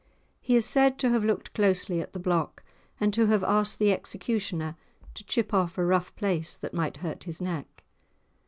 He is said to have looked closely at the block, and to have asked the executioner to chip off a rough place that might hurt his neck.